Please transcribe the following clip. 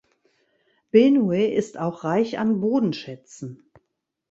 Benue ist auch reich an Bodenschätzen.